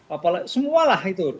apalagi semualah itu